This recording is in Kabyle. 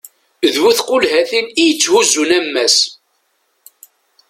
d bu tqulhatin i yetthuzzun ammas